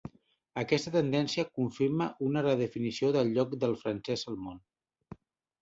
Aquesta tendència confirma una redefinició del lloc del francès al món.